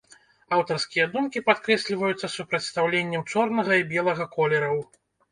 Аўтарскія думкі падкрэсліваюцца супрацьстаўленнем чорнага і белага колераў.